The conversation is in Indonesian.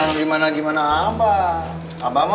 neng mau gimana apa aja